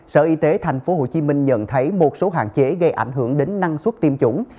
sở y tế tp hcm nhận thấy một số hạn chế gây ảnh hưởng đến năng suất tiêm chủng